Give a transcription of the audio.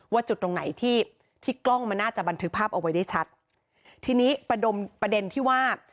จุดตรงไหนที่ที่กล้องมันน่าจะบันทึกภาพเอาไว้ได้ชัดทีนี้ประดมประเด็นที่ว่า